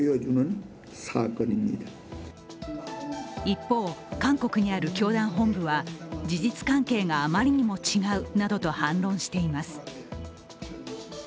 一方、韓国にある教団本部は、事実関係があまりにも違うなどと反論しています。